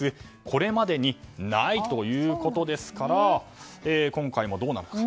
これまでにないということですから今回もどうなのか。